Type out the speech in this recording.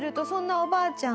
おばあちゃん。